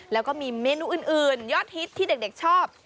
แล้วก็มีเมนูอื่นยอดฮิตที่เด็กชอบ